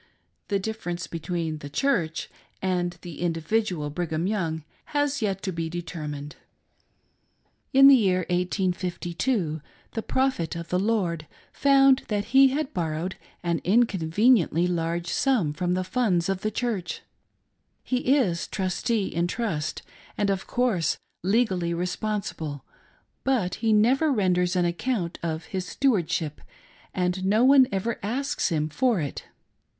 The difference between " The Church" and the individual Brigham. Young has yet to be determined. In the year 1852 the " Prophet of the Lord " found that he had borrowed an mconveniently large sum from the funds of the Church. He is " Trustee in Trust" and, of course, legally responsible ; but he never renders an account of his steward ship, and no one ever asks him for it.